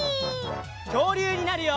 きょうりゅうになるよ！